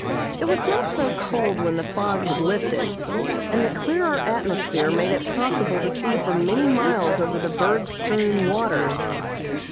It was not so cold when the fog had lifted, and the clearer atmosphere made it possible to see for many miles over the berg strewn waters.